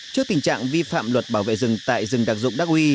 trước tình trạng vi phạm luật bảo vệ rừng tại rừng đặc dụng đắc huy